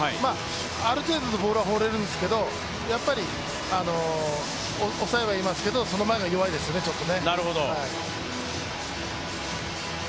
ある程度のボールは放れるんですけど、抑えはいますけどその前が弱いですね、ちょっと。